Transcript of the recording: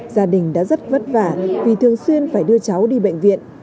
gia đình đã rất vất vả vì thường xuyên phải đưa cháu đi bệnh viện